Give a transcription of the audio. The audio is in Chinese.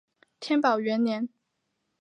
天宝元年。